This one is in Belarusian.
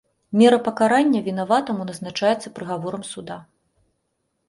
Мера пакарання вінаватаму назначаецца прыгаворам суда.